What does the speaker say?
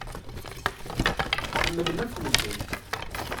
Tḥemmlem akk medden.